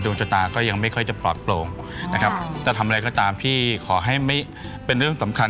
ต้องก็วางเหิงกันดีแล้วกัน